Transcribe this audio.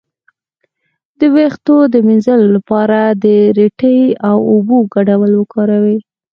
د ویښتو د مینځلو لپاره د ریټې او اوبو ګډول وکاروئ